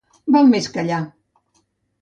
Val més callar.